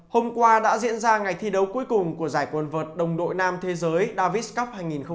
hôm qua đã diễn ra ngày thi đấu cuối cùng của giải quân vật đồng đội nam thế giới davis cup hai nghìn một mươi tám